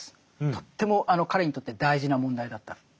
とっても彼にとって大事な問題だった。